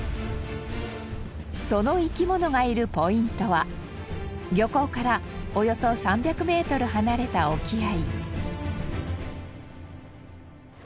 その生き物がいるポイントは漁港からおよそ３００メートル離れた沖合。